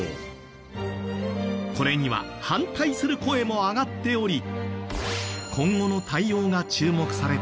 これには反対する声も上がっており。